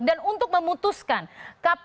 dan untuk memutuskan kapan akan menurunkan tarif